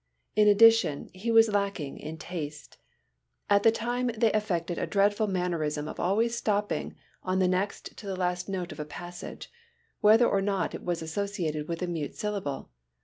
In addition he was lacking in taste. At the time they affected a dreadful mannerism of always stopping on the next to the last note of a passage, whether or not it was associated with a mute syllable.